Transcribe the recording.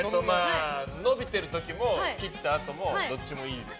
伸びてる時も切ったあともどっちもいいです。